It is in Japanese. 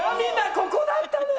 ここだったのね！